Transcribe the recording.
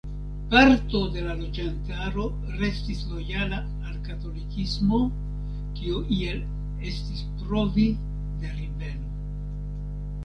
Parto de la loĝantaro restis lojala al katolikismo, kio iel estis provo de ribelo.